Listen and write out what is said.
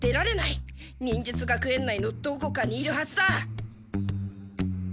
忍術学園内のどこかにいるはずだ。